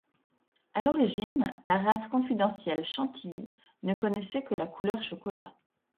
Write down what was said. À l'origine, la race confidentielle chantilly ne connaissait que la couleur chocolat.